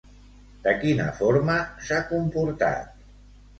De quina forma s'ha comportat?